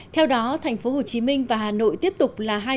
theo đó thành phố hồ chí minh và hà nội tiếp tục là hai điểm